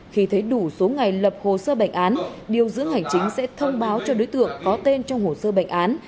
khi thấy đủ số ngày lập hồ sơ bệnh án điều dưỡng hành chính sẽ thông báo cho đối tượng có tên trong hồ sơ bệnh án